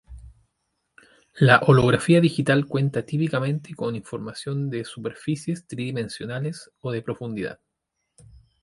La holografía digital cuenta típicamente con información de superficies tridimensionales o de profundidad.